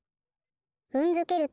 ふんづけると。